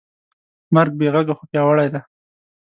مرګ بېغږه خو پیاوړی دی.